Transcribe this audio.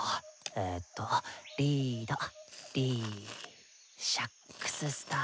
えとリードリーシャックススター。